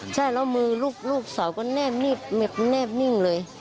ใช่แล้วมือลูกสาวก็แบบนิ่งเลย